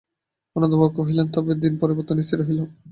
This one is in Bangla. অন্নদাবাবু কহিলেন, তবে দিনপরিবর্তনই স্থির রহিল?